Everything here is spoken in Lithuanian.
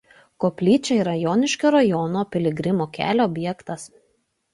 Koplyčia yra Joniškio rajono „Piligrimų kelio“ objektas.